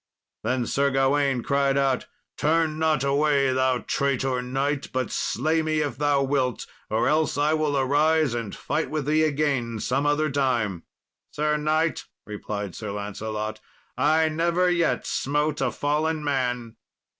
Then Sir Gawain cried out, "Turn not away, thou traitor knight, but slay me if thou wilt, or else I will arise and fight with thee again some other time." "Sir knight," replied Sir Lancelot, "I never yet smote a fallen man."